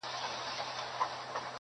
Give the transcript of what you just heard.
غوړه مال چي چا تر څنګ دی درولی-